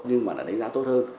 nhưng mà đánh giá tốt hơn